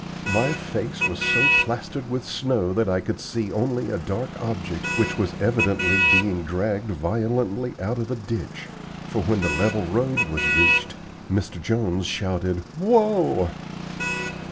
My face was so plastered with snow that I could see only a dark object which was evidently being dragged violently out of a ditch, for when the level road was reached, Mr. Jones shouted, "Whoa!"